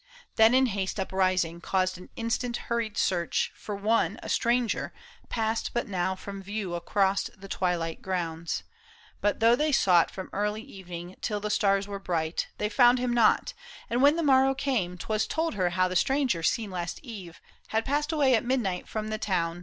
Then in haste Uprising, caused an instant hurried search For one, a stranger, passed but now from view Across the twilight grounds. But though they sought 52 PAUL ISHAM. From e^rlv evenii^g till the stars were bright. They fcuzd hir i n^i, and when the morrow came "Twas ic^i her how the stranger seen last eve Had passed away at midnight from the town.